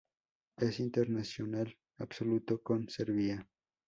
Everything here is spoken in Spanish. Es internacional absoluto con Serbia.